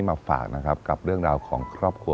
กลับมาสืบสาวเรื่องราวความประทับใจ